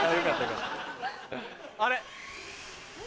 あれ？